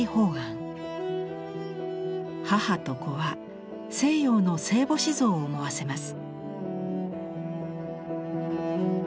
母と子は西洋の聖母子像を思わせます。